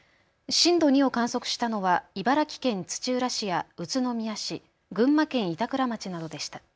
震度２を観測したのは茨城県土浦市や宇都宮市、群馬県板倉町などでした。